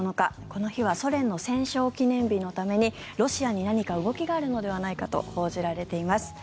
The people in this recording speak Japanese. この日はソ連の戦勝記念日のためにロシアに何か動きがあるのではないかと報じられています。